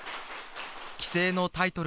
棋聖のタイトル